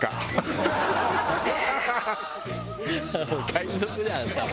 海賊じゃんあんたも。